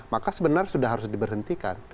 maka sebenarnya sudah harus diberhentikan